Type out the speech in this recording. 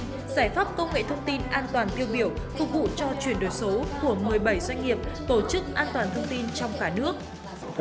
giải pháp công nghệ thông tin an toàn tiêu biểu phục vụ cho chuyển đổi số của một mươi bảy doanh nghiệp tổ chức an toàn thông tin trong cả nước